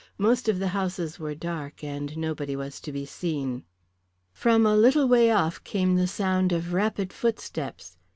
Most of the houses were dark, and nobody was to be seen. From a little way off came the sound of rapid footsteps.